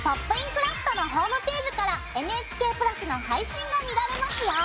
クラフト」のホームページからＮＨＫプラスの配信が見られますよ。